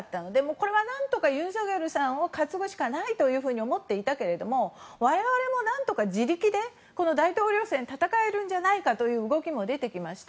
これは何とかユン・ソクヨルさんを担ぐしかないと思っていたけど我々も何とか自力で大統領選戦えるんじゃないかという動きも出てきまして